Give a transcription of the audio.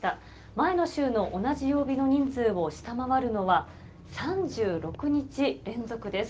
前の週の同じ曜日の人数を下回るのは、３６日連続です。